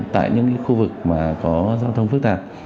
tại những khu vực có giao thông phức tạp